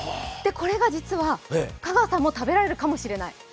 これが実は香川さんも食べられるかもしれない。